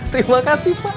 terima kasih pak